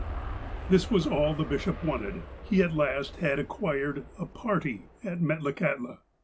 This was all the bishop wanted. He at last had ac quired a " party " at Metlakahtla.